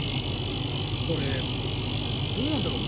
これ、どうなんだろう